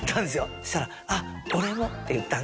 そしたら「あっ俺も」って言ったの。